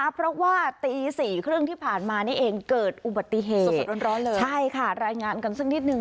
เพราะว่านาที๔๓๐นที่ผ่านมาเองเกิดอุบัติเหตุ